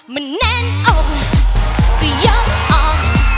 มันแน่นอกก็ยกออก